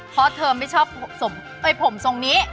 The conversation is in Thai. เพราะเธอไม่ชอบผมทรงนี้